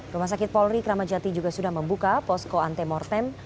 rumah sakit polri kramajati juga sudah membuka posko antemortem